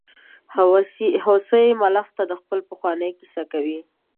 هوسۍ ملخ ته خپله پخوانۍ کیسه کوي.